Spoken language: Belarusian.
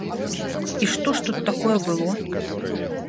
І што ж тут такое было?